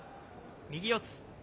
右四つ。